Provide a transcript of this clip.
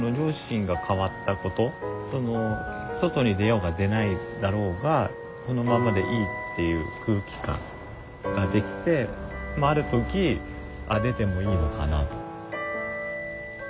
その外に出ようが出ないだろうがそのままでいいっていう空気感ができてまあある時出てもいいのかなと。